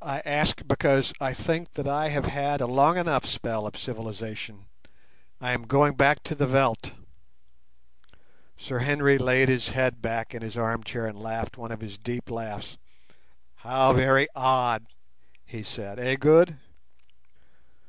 "I ask because I think that I have had a long enough spell of civilization. I am going back to the veldt." Sir Henry laid his head back in his arm chair and laughed one of his deep laughs. "How very odd," he said, "eh, Good?"